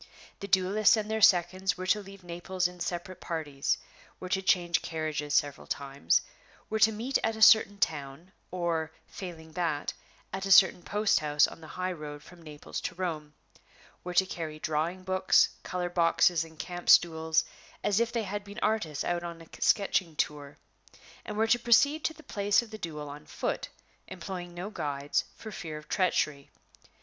The duelists and their seconds were to leave Naples in separate parties; were to change carriages several times; were to meet at a certain town, or, failing that, at a certain post house on the high road from Naples to Rome; were to carry drawing books, color boxes, and camp stools, as if they had been artists out on a sketching tour; and were to proceed to the place of the duel on foot, employing no guides, for fear of treachery.